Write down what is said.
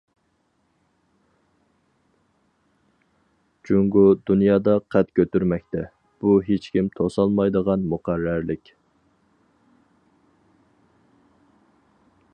جۇڭگو دۇنيادا قەد كۆتۈرمەكتە، بۇ ھېچكىم توسالمايدىغان مۇقەررەرلىك.